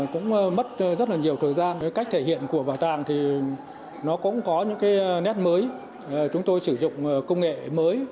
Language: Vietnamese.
cũng mất rất nhiều thời gian cách thể hiện của bảo tàng cũng có những nét mới chúng tôi sử dụng công nghệ mới